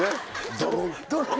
ドロン！